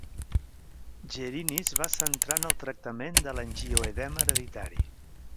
Jerini es va centrar en el tractament de l'angioedema hereditari.